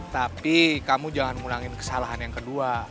tapi kamu jangan ngurangin kesalahan yang kedua